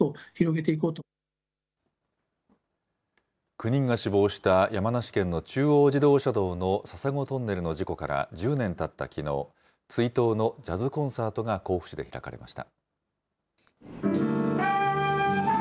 ９人が死亡した山梨県の中央自動車道の笹子トンネルの事故から１０年たったきのう、追悼のジャズコンサートが甲府市で開かれました。